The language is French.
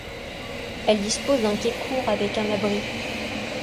Elle dispose d'un quai court avec un abri.